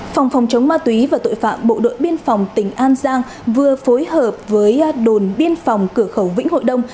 phòng phòng chống ma túy và tội phạm bộ đội biên phòng tỉnh an giang vừa phối hợp với đồn biên phòng cửa khẩu vĩnh hội đông